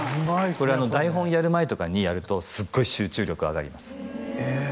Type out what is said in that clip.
これあの台本やる前とかにやるとすっごい集中力あがりますえー